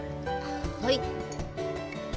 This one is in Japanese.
はい。